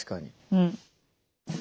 うん。